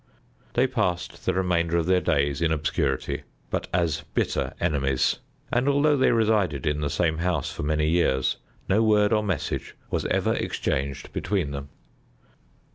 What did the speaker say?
They passed the remainder of their days in obscurity, but as bitter enemies, and although they resided in the same house for many years, no word or message was ever exchanged between them.